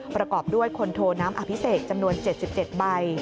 ประกอบด้วยคนโทน้ำอภิเษกจำนวน๗๗ใบ